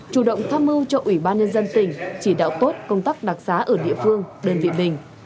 chủ động tham mưu cho ủy ban nhân dân tỉnh chỉ đạo tốt công tắc đặc sá ở địa phương đơn vị bình